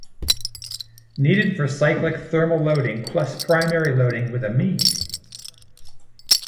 Needed for cyclic thermal loading plus primary loading with a mean.